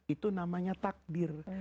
itu namanya takbir